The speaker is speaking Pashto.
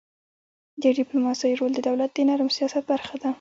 د ډيپلوماسی رول د دولت د نرم سیاست برخه ده.